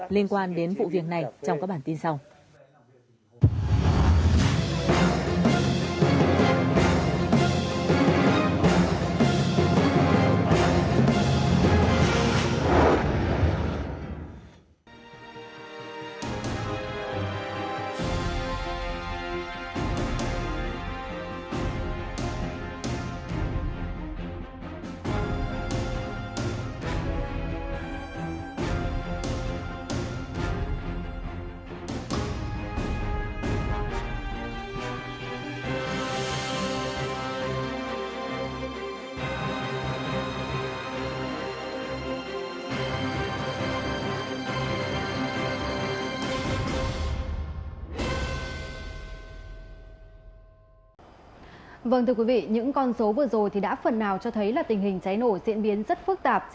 liên quan đến vụ việc này trong các bản tin sau